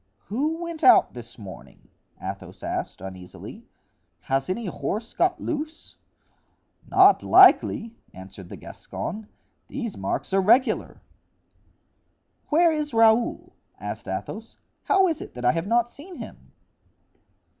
"Who went out this morning?" Athos asked, uneasily. "Has any horse got loose?" "Not likely," answered the Gascon; "these marks are regular." "Where is Raoul?" asked Athos; "how is it that I have not seen him?"